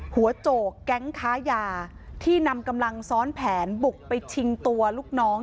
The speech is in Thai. โจกแก๊งค้ายาที่นำกำลังซ้อนแผนบุกไปชิงตัวลูกน้อง